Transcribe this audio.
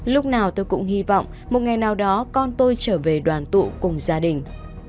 lúc nào tôi cũng hy vọng một ngày nào đó con tôi trở về đoàn tụ cùng gia đình